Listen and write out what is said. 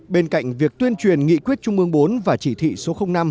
bên cạnh việc tuyên truyền nghị quyết chung mương bốn và chỉ thị số năm